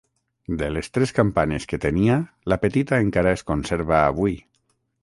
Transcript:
De les tres campanes que tenia, la petita encara es conserva avui.